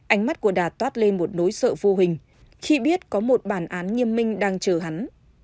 ánh mắt của đà toát lên một nối sợ vô hình khi biết có một bản án nghiêm minh đang chờ hắn